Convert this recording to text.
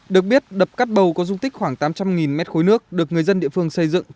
được biết đập cát bầu có dung tích khoảng tám trăm linh m ba nước được người dân địa phương xây dựng